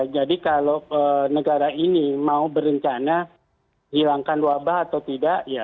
jadi kalau negara ini mau berencana hilangkan wabah atau tidak